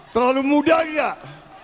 terlalu muda nggak